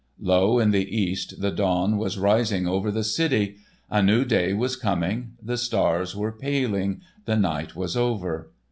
Low in the east, the dawn was rising over the city. A new day was coming; the stars were paling, the night was over.